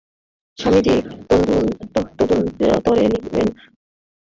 স্বামীজী তদুত্তরে লিখেন, নাগ-মশায়ের আপত্তি না হলে তোমাকে অতি আনন্দের সহিত দীক্ষিত করব।